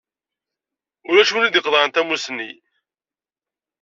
Ulac win i d-iqeḍɛen tamusni.